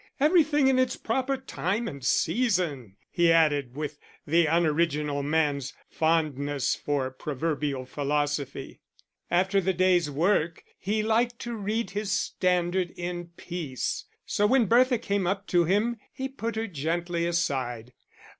Everything in its proper time and season," he added, with the unoriginal man's fondness for proverbial philosophy. After the day's work he liked to read his Standard in peace, so when Bertha came up to him he put her gently aside.